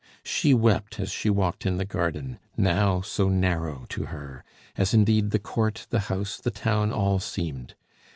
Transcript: She wept as she walked in the garden, now so narrow to her, as indeed the court, the house, the town all seemed.